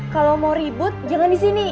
kalau mau ribut jangan di sini